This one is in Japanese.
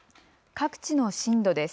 各地の震度です。